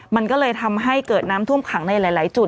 มันก็เลยทำให้เกิดน้ำท่วมขังในหลายจุด